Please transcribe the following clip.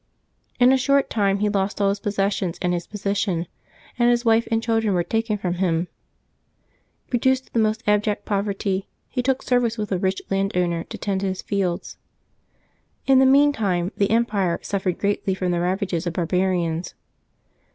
In a short time he lost all his pos sessions and his position, and his wife and children were taken from him. Eeduced to the most abject poverty, he took service with a rich land owner to tend his fields. In the mean time the empire suffered greatly from the ravages of barbarians.